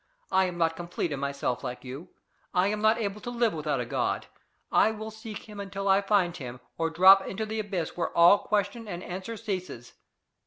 I am not complete in myself like you. I am not able to live without a God. I will seek him until I find him, or drop into the abyss where all question and answer ceases.